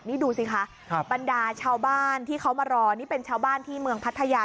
นี่ดูสิคะบรรดาชาวบ้านที่เขามารอนี่เป็นชาวบ้านที่เมืองพัทยา